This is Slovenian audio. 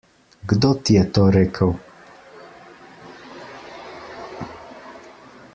Kdo ti je to rekel?